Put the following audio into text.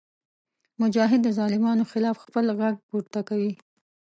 مجاهد د ظالمانو خلاف خپل غږ پورته کوي.